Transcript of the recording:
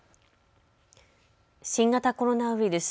新型コロナウイルス。